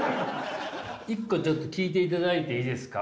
一個ちょっと聞いていただいていいですか？